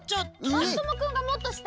まさともくんがもっとした！